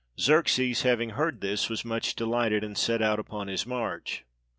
Xerxes, having 355 PERSIA heard this, was much delighted, and set out upon his march.